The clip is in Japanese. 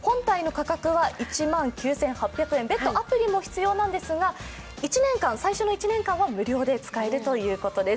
本体の価格は１万９８００円で別途アプリも必要なんですが、最初の１年間は無料で使えるということです。